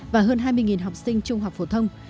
và hơn hai mươi học sinh trung học phổ thông